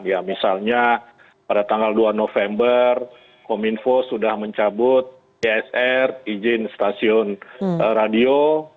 ya misalnya pada tanggal dua november kominfo sudah mencabut csr izin stasiun radio